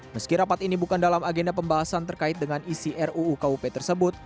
meski rapat ini bukan dalam agenda pembahasan terkait dengan isi ruu kup tersebut